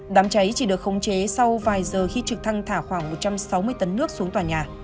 đám cháy chỉ được khống chế sau vài giờ khi trực thăng thả khoảng một trăm sáu mươi tấn nước xuống tòa nhà